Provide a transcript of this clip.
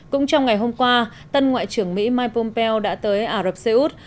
cũng trong ngày hôm qua tân ngoại trưởng mỹ mike pompeo đã tới ả rập xê út